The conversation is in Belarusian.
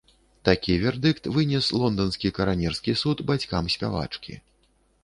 Такі вердыкт вынес лонданскі каранерскі суд бацькам спявачкі.